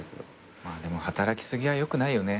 でも働き過ぎは良くないよね。